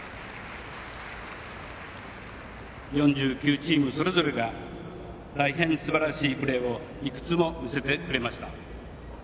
４９チームそれぞれが大変すばらしいプレーをいくつも見せてくれました。